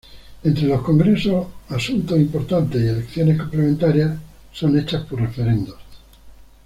Entre los congresos asuntos importantes y elecciones complementarias son hechas por referendos.